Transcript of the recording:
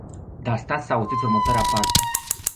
Dar stați să auziți următoarea parte.